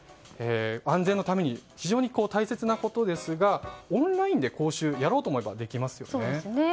安全のために非常に大切なことですがオンラインで講習をやろうと思えばできますよね。